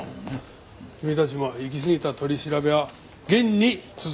君たちも行きすぎた取り調べは厳に慎むように。